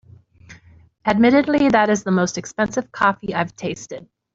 Admittedly, that is the most expensive coffee I’ve tasted.